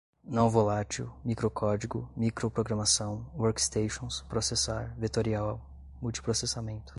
não-volátil, microcódigo, microprogramação, workstations, processar, vetorial, multiprocessamento